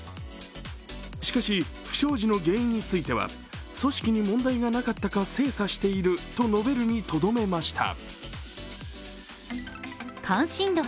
しかし不祥事の原因については組織に問題がなかったか精査していると述べるにとどめました。